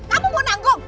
kamu mau nanggung